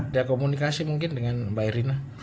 ada komunikasi mungkin dengan mbak erina